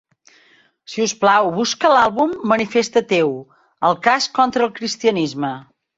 Si us plau, busca l'àlbum "Manifest ateu: el cas contra el cristianisme".